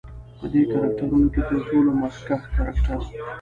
په دې کرکترونو کې تر ټولو مخکښ کرکتر